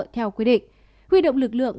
theo quy định huy động lực lượng